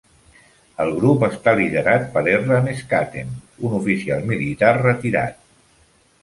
El grup està liderat per Erland Skattem, un oficial militar retirat.